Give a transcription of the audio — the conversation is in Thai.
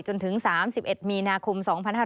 จนถึง๓๑มีนาคม๒๕๕๙